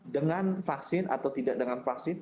dengan vaksin atau tidak dengan vaksin